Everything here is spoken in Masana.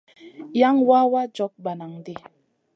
Yan wawa jog bananʼ ɗi.